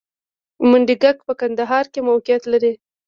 منډیګک په کندهار کې موقعیت لري